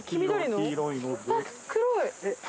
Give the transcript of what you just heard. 黒い！